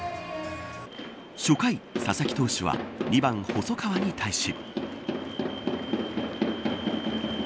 初回、佐々木投手は２番、細川に対し。